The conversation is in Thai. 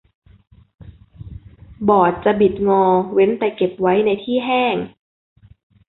บอร์ดจะบิดงอเว้นแต่เก็บไว้ในที่แห้ง